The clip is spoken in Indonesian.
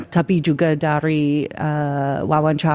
tapi juga dari wawancaranya